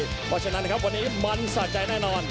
เพราะฉะนั้นนะครับวันนี้มันสะใจแน่นอน